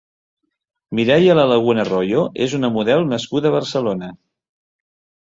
Mireia Lalaguna Royo és una model nascuda a Barcelona.